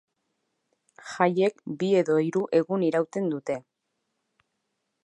Jaiek bi edo hiru egun irauten dute.